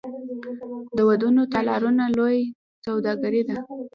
د ودونو تالارونه لویه سوداګري ده